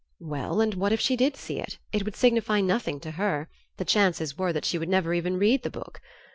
Well, and what if she did see it? It would signify nothing to her, the chances were that she would never even read the book....